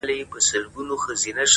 o دا روڼه ډېــوه مي پـه وجـود كي ده ـ